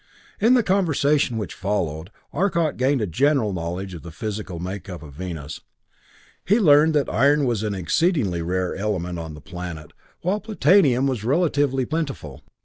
In the conversation which followed, Arcot gained a general knowledge of the physical makeup of Venus. He learned that iron was an exceedingly rare element on the planet, while platinum was relatively plentiful.